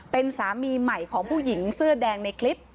เป็นสามีใหม่ของผู้หญิงเสื้อแดงในคลิป